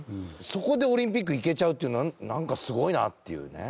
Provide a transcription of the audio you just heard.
そこでオリンピック行けちゃうっていうのはなんかすごいなっていうね。